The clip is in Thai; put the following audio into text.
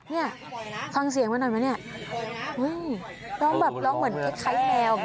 นี่ฟังเสียงมาหน่อยไหมเนี่ยร้องเหมือนไค้แมว